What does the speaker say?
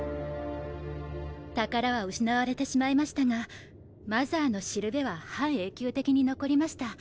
宝は失われてしまいましたがマザーの標は半永久的に残りました。